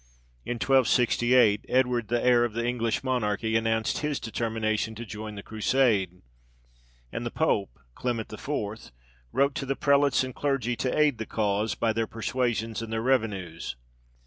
In 1268, Edward, the heir of the English monarchy, announced his determination to join the Crusade; and the pope (Clement IV.) wrote to the prelates and clergy to aid the cause by their persuasions and their revenues.